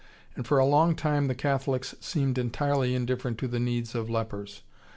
And for a long time the Catholics seemed entirely indifferent to the needs of lepers.